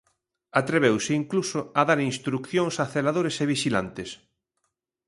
Atreveuse incluso a dar instrucións a celadores e vixilantes.